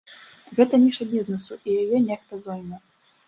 Гэта ніша бізнесу і яе нехта зойме.